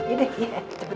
iya deh cepetan